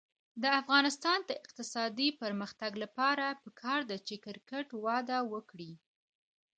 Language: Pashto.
د افغانستان د اقتصادي پرمختګ لپاره پکار ده چې کرکټ وده وکړي.